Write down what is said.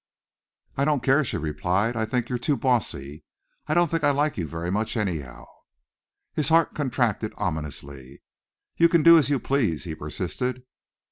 "I don't care," she replied. "I think you're too bossy. I don't think I like you very much anyhow." His heart contracted ominously. "You can do as you please," he persisted.